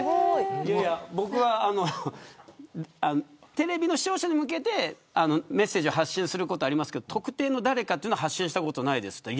いやいや僕はテレビの視聴者に向けてメッセージを発信することはありますが特定の誰かに発信したことはないですと。